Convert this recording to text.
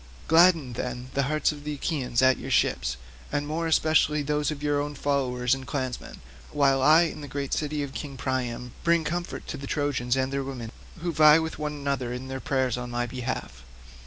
Gladden, then, the hearts of the Achaeans at your ships, and more especially those of your own followers and clansmen, while I, in the great city of King Priam, bring comfort to the Trojans and their women, who vie with one another in their prayers on my behalf.